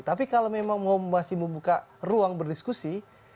tapi kalau memang mau masih membuka ruang berdiskusi